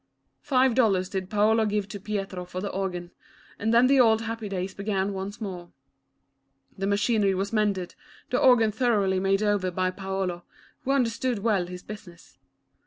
Five dollars did Paolo give to Pietro for the organ, and then the old happy days began once more. The machinery was mended, the organ thoroughly made over by Paolo, who understood well his business.